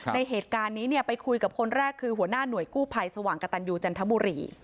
ในเหตุการณ์นี้เนี่ยไปคุยกับคนแรกคือหัวหน้าหน่วยกู้ภัยสว่างกระตันยูจันทบุรี